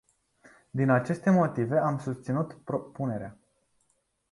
Din aceste motive am susținut propunerea.